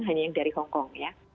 hanya yang dari hongkong ya